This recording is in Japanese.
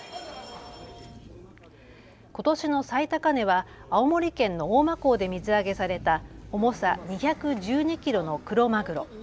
ことしの最高値は青森県の大間港で水揚げされた重さ２１２キロのクロマグロ。